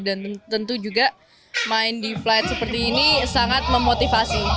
tentu juga main di flight seperti ini sangat memotivasi